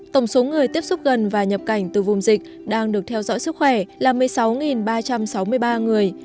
tổng số người tiếp xúc gần và nhập cảnh từ vùng dịch đang được theo dõi sức khỏe là một mươi sáu ba trăm sáu mươi ba người